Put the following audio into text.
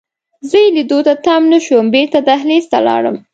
زه یې لیدو ته تم نه شوم، بیرته دهلېز ته ولاړم.